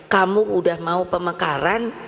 kamu udah mau pemekaran